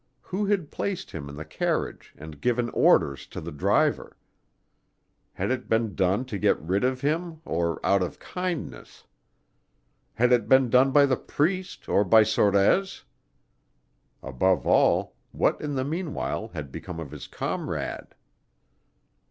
Who had placed him in the carriage and given orders to the driver? Had it been done to get rid of him or out of kindness? Had it been done by the priest or by Sorez? Above all, what in the meanwhile had become of his comrade?